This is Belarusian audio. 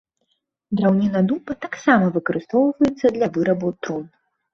Драўніна дуба таксама выкарыстоўваецца для вырабу трун.